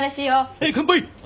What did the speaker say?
はい乾杯！